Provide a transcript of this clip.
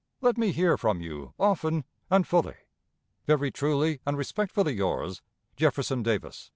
Let me hear from you often and fully. "Very truly and respectfully yours, "Jefferson Davis."